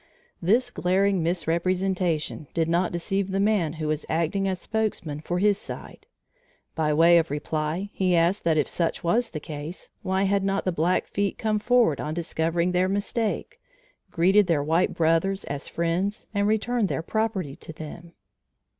This glaring misrepresentation did not deceive the man who was acting as spokesman for his side. By way of reply, he asked that if such was the case, why had not the Blackfeet come forward on discovering their mistake, greeted their white brothers as friends and returned their property to them.